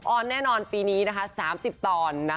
ออนแน่นอนปีนี้นะคะ๓๐ตอน